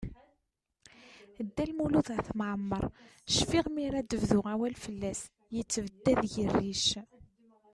Dda Lmud At Mɛemmeṛ, cfiɣ mi ara d-bdu awal fell-as, yettebdad deg-i rric.